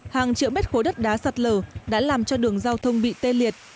hàng triệu mét khối đất đá sạt lở đã làm cho đường giao thông bị tê liệt